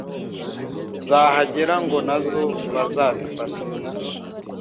zahagera ngo nazo bazazifate